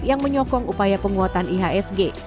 yang menyokong upaya penguatan ihsg